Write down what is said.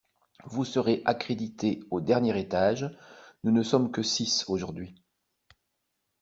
Vous serez accréditée au dernier étage, nous ne sommes que six aujourd’hui